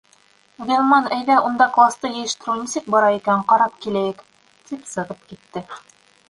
— Ғилман, әйҙә, унда класты йыйыштырыу нисек бара икән, ҡарап киләйек, -тип сығып китте.